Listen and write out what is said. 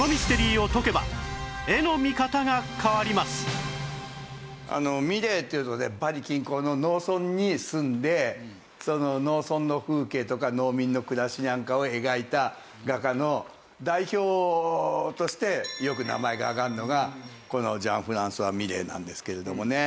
実はこのミレーというのはねパリ近郊の農村に住んでその農村の風景とか農民の暮らしなんかを描いた画家の代表として。よく名前が挙がるのがこのジャン＝フランソワ・ミレーなんですけれどもね。